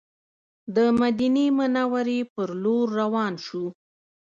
د مدینې منورې پر لور روان شوو.